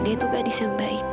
dia itu gadis yang baik